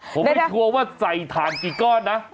ผมไม่กลัวว่าใส่ถ่านกี่ก้อนนะ